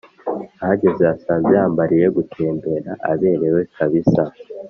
ahageze yasanze yambariye gutembera aberewe kabisa,